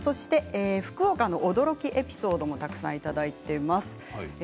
福岡の驚きエピソードもたくさんいただいています。